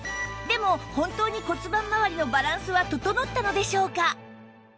でも本当に骨盤まわりのバランスは整ったのでしょうか？